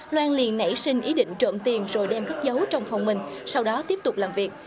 loan liền nảy sinh ý định trộm tiền rồi đem cất giấu trong phòng mình sau đó tiếp tục làm việc